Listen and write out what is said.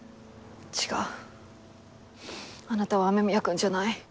違うあなたは雨宮くんじゃない。